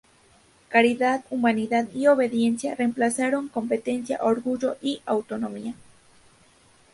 Caridad, humildad y obediencia reemplazaron competencia, orgullo y autonomía.